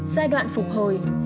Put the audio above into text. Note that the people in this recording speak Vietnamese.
giai đoạn phục hồi